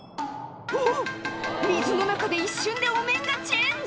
おぉ水の中で一瞬でお面がチェンジ